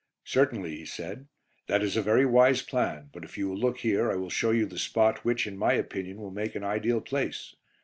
"Certainly," he said, "that is a very wise plan, but if you will look here I will show you the spot which, in my opinion, will make an ideal place.